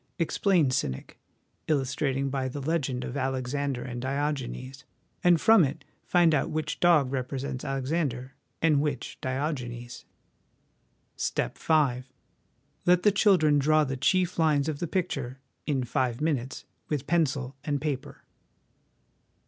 Explain cynic, illustrating by the legend of Alexander and Diogenes ; and from it find out which dog represents Alexander and which Diogenes. " Step V. Let the children draw the chief lines of the picture, in five minutes, with pencil and paper."